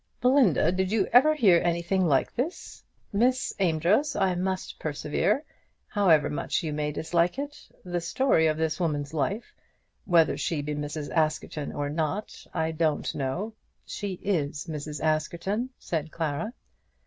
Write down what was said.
"Belinda, did you ever hear anything like this? Miss Amedroz, I must persevere, however much you may dislike it. The story of this woman's life, whether she be Mrs. Askerton or not, I don't know " "She is Mrs. Askerton," said Clara.